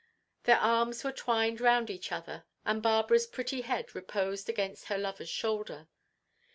Their arms were twined round each other, and Barbara's pretty head reposed against her lover's shoulder.